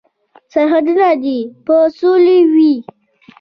سرحدونه دې د سولې وي.